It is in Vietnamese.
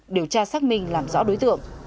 điều tra xác minh làm rõ đối tượng